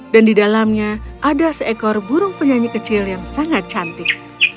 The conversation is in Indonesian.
dan di dalamnya ada seekor burung penyanyi kecil yang sangat cantik